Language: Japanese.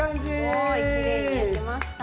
すごいきれいに焼けました。